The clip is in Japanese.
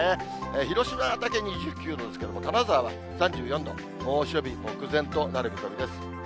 広島だけ２９度ですけれども、金沢は３４度、猛暑日目前となる見込みです。